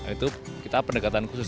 itu kita pendekatan khusus